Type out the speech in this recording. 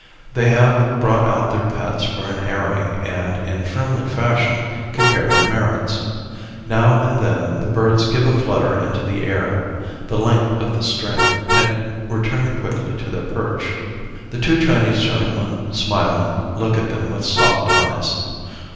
They have brought out their pets for an airing and in. friendly fashion compare their merits. Now and then the birds give a flutter into the air, the 11 ON A CHINESE SCR E E N length of the string, and return quickly to their perch. The two Chinese gentlemen, smiling, look at them with soft eyes.